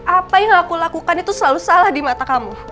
apa yang aku lakukan itu selalu salah di mata kamu